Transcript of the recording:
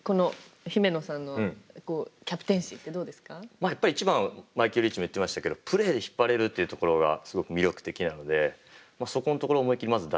まあやっぱり一番はマイケルリーチも言ってましたけどプレーで引っ張れるっていうところがすごく魅力的なのでそこんところを思い切りまず出してほしいなと。